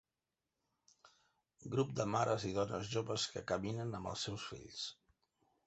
Grup de mares i dones joves que caminen amb els seus fills.